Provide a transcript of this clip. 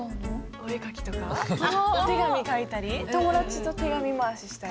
お絵描きとかお手紙書いたり友達と手紙回ししたり。